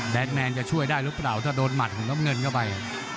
แมนจะช่วยได้หรือเปล่าถ้าโดนหมัดของน้ำเงินเข้าไป